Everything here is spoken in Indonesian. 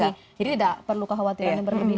jadi tidak perlu khawatir